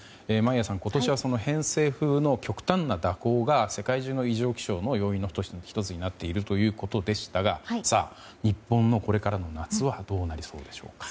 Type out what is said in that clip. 眞家さん今年は偏西風の極端な蛇行が世界中の異常気象の要因の１つになっているということでしたが日本のこれからの夏はどうなりそうでしょうか。